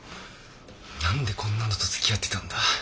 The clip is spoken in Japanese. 何でこんなのとつきあってたんだ。